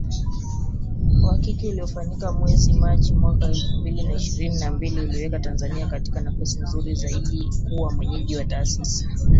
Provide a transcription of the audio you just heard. Uhakiki uliofanyika mwezi Machi mwaka elfu mbili na ishirini na mbili uliiweka Tanzania katika nafasi nzuri zaidi kuwa mwenyeji wa taasisi